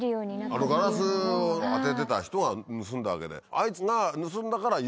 あのガラスを当ててた人が盗んだわけであいつが。